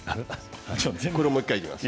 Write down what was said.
もう１回いきます。